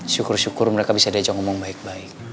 syukur syukur mereka bisa diajak ngomong baik baik